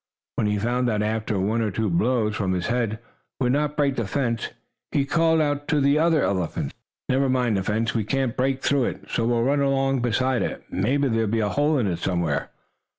When he found that after one or two blows from his head would not break the fence, he called out to the other elephants: "Never mind the fence! We can't break through it, so we'll run along beside it. Maybe there'll be a hole in it somewhere."